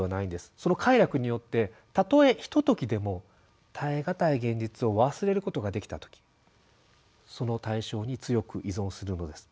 その快楽によってたとえひとときでも耐え難い現実を忘れることができた時その対象に強く依存するのです。